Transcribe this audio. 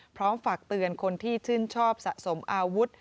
พร้อมฝากเตือนคนที่ชื่นชอบสะสมอาวุธ